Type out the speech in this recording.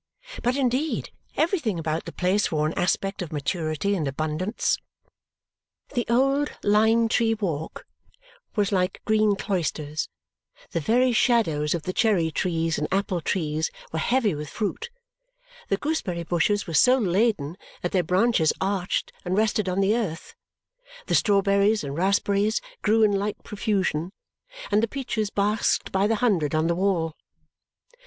But, indeed, everything about the place wore an aspect of maturity and abundance. The old lime tree walk was like green cloisters, the very shadows of the cherry trees and apple trees were heavy with fruit, the gooseberry bushes were so laden that their branches arched and rested on the earth, the strawberries and raspberries grew in like profusion, and the peaches basked by the hundred on the wall.